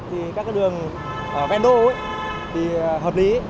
thì các đường ven đô thì hợp lý